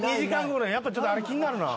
やっぱちょっとあれ気になるな。